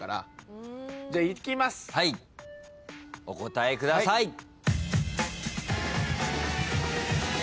お答えください。